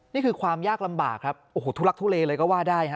นี่คือความยากลำบากครับโอ้โหทุลักทุเลเลยก็ว่าได้ฮะ